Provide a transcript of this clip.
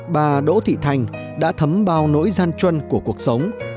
bà đỗ thị thành đã thấm bao nỗi gian chuân của cuộc sống